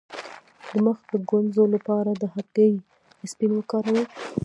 د مخ د ګونځو لپاره د هګۍ سپین وکاروئ